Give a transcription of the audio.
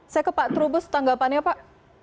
saya ke pak trubus tanggapannya pak